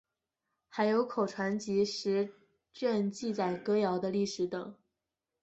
还有口传集十卷记载歌谣的历史等。